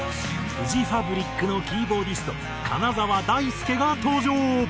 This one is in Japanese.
フジファブリックのキーボーディスト金澤ダイスケが登場。